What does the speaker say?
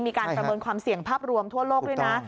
มีการประเมินความเสี่ยงภาพรวมทั่วโลกด้วยนะ